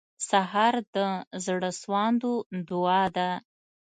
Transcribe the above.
سهار د زړسواندو دعا ده.